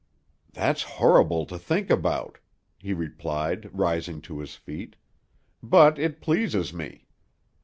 "That's horrible to think about," he replied, rising to his feet; "but it pleases me.